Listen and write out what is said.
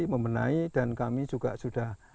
membenahi dan kami juga sudah